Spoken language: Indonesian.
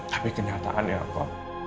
tapi kenyataannya apa